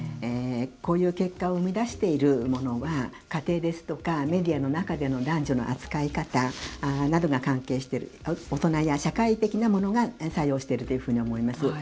こういう結果を生み出しているものは家庭ですとか、メディアの中での男女の扱い方などが関係している大人や社会的なものが作用しているというふうに思います。